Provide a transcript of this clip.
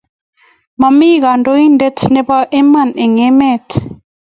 mami kandoindatet nebo iman eng emet